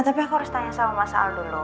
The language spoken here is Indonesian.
tapi aku harus tanya sama mas al dulu